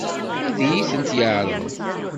Ad iyi-tent-yeɛṛeḍ?